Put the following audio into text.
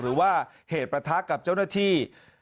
หรือว่าเหตุประทะกับเจ้าหน้าที่